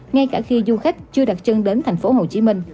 ngay cả khi du khách chưa đặt chân đến tp hcm